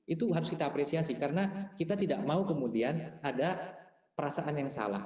itu harus kita apresiasi karena kita tidak mau kemudian ada perasaan yang salah